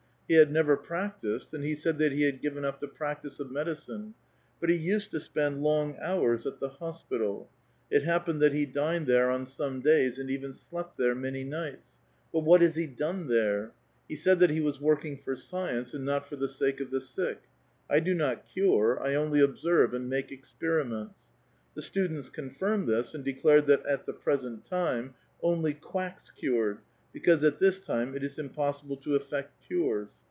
He had never practised, and he said that he had given up the prac tice of medicine. But he used to spend long hours at the hospital ; it happened that he dined there on some days, and even slept there man^' nights. But what has he done there ? He said that he was working for science, and not for the sake of the sick. "I do not cure ; I only observe, and make ex periments." The students confirmed this, and declared that at the present time only quacks cured, because at this time it is impossible to effect cures.